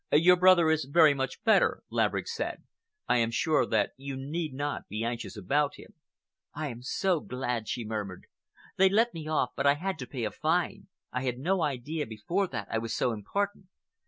"Your brother is very much better," Laverick said. "I am sure that you need not be anxious about him." "I am so glad," she murmured. "They let me off but I had to pay a fine. I had no idea before that I was so important.